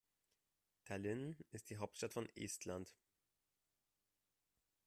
Tallinn ist die Hauptstadt von Estland.